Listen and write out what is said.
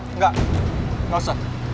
enggak gak usah